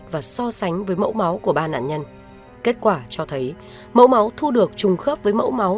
và lời khai của ông điểm